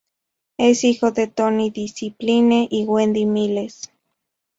Es hijo de Tony Discipline y Wendy Miles.